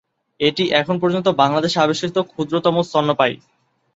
এটি এখন পর্যন্ত বাংলাদেশে আবিষ্কৃত ক্ষুদ্রতম স্তন্যপায়ী।